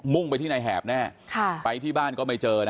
่งไปที่นายแหบแน่ไปที่บ้านก็ไม่เจอนะ